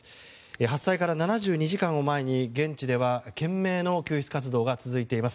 発災から７２時間を前に現地では懸命の救出活動が続いています。